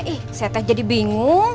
ih saya teh jadi bingung